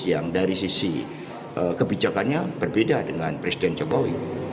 yang dari sisi kebijakannya berbeda dengan presiden jokowi